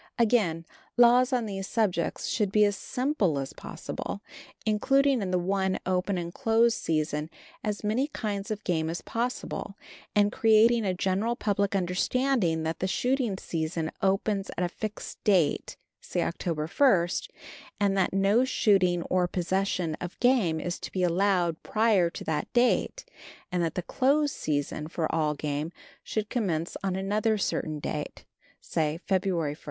Again, laws on these subjects should be as simple as possible, including in the one open and close season as many kinds of game as possible, and creating a general public understanding that the shooting season opens at a fixed date, say October 1st, and that no shooting or possession of game is to be allowed prior to that date, and that the close season for all game should commence on another certain date, say February 1st.